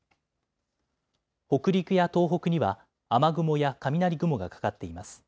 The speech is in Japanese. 北陸や東北には雨雲や雷雲がかかっています。